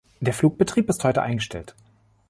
Der Flugbetrieb ist heute eingestellt.